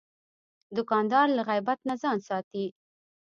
دوکاندار له غیبت نه ځان ساتي.